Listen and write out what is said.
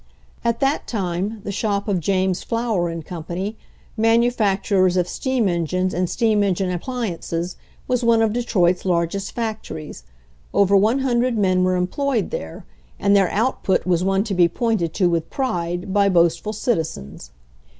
At that time the shop of James Flower and Company, manufacturers of steam engines and steam engine appliances, was one of Detroit's largest factories. Over one hundred men were employed there, and their output was one to be pointed to with pride by boastful citizens.